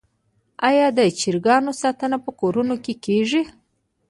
آیا د چرګانو ساتنه په کورونو کې کیږي؟